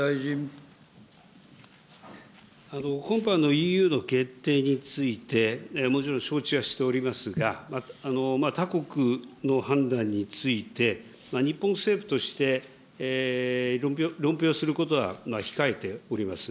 今般のＥＵの決定について、もちろん承知はしておりますが、他国の判断について、日本政府として論評することは控えております。